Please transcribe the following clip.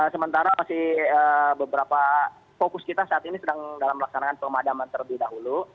sementara masih beberapa fokus kita saat ini sedang dalam melaksanakan pemadaman terlebih dahulu